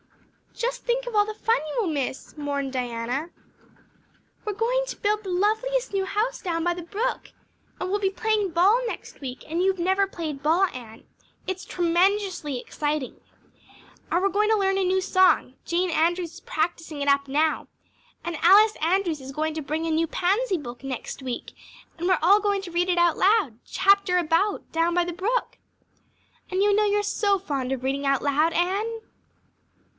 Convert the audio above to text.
"Just think of all the fun you will miss," mourned Diana. "We are going to build the loveliest new house down by the brook; and we'll be playing ball next week and you've never played ball, Anne. It's tremendously exciting. And we're going to learn a new song Jane Andrews is practicing it up now; and Alice Andrews is going to bring a new Pansy book next week and we're all going to read it out loud, chapter about, down by the brook. And you know you are so fond of reading out loud, Anne."